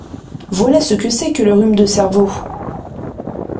Voilà ce que c’est que le rhume de cerveau !…